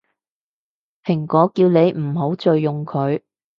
蘋果叫你唔好再用佢